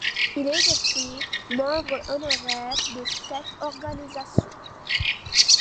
Il est depuis membre honoraire de cette organisation.